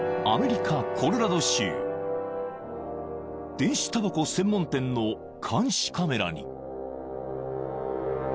［電子たばこ専門店の監視カメラに］